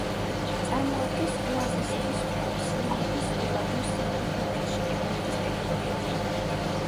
წარმოადგენს ოაზისების ჯგუფს ლიბიის უდაბნოს სამხრეთ ნაწილში, ეგვიპტის ტერიტორიაზე.